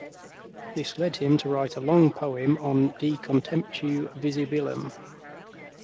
This led him to write a long poem on "De contemptu visibilum".